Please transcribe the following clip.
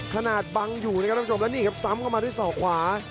บังอยู่นะครับท่านผู้ชมแล้วนี่ครับซ้ำเข้ามาด้วยศอกขวา